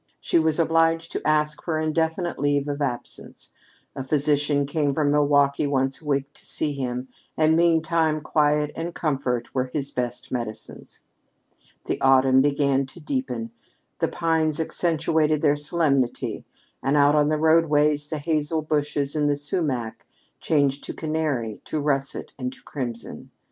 She was obliged to ask for indefinite leave of absence. A physician came from Milwaukee once a week to see him; and meantime quiet and comfort were his best medicines. The autumn began to deepen. The pines accentuated their solemnity, and out on the roadways the hazel bushes and the sumac changed to canary, to russet, and to crimson.